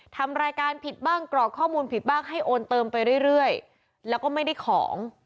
ทำรายการผิดบ้างกรอกข้อมูลผิดบ้างให้โอนเติมไปเรื่อยแล้วก็ไม่ได้ของ